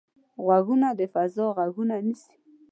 غوږونه د فضا غږونه نیسي